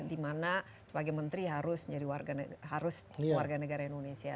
dimana sebagai menteri harus warga negara indonesia